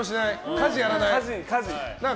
家事やらないとか。